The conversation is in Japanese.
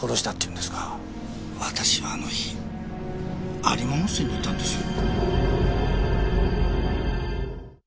私はあの日有馬温泉にいたんですよ。